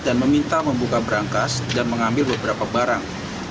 dan meminta membuka berangkas dan mengambil beberapa barang